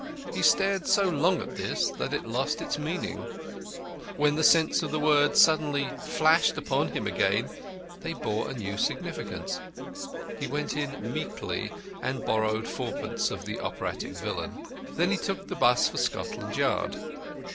He stared so long at this that it lost its meaning. When the sense of the words suddenly flashed upon him again, they bore a new significance. He went in meekly, and borrowed fourpence of the operatic villain. Then he took the 'bus for Scotland Yard.